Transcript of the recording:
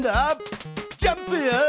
ジャンプ！